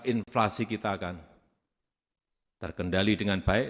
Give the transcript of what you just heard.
inflasi kita akan terkendali dengan baik